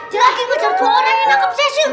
lagi ngejar dua orang yang nangkep sesir